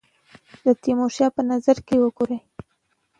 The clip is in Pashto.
تیمورشاه په نظر کې لري وګوري.